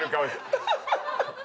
ハハハハ！